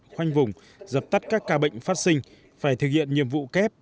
khoanh vùng dập tắt các ca bệnh phát sinh phải thực hiện nhiệm vụ kép